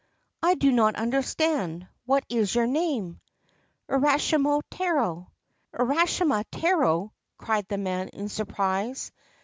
' I do not understand. What is your name ?'' Urashima Taro.' ' Urashima Taro I ' cried the man in surprise.